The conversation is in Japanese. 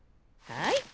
はい。